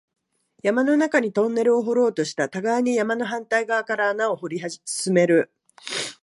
山の中にトンネルを掘ろうとした、互いに山の反対側から穴を掘り進める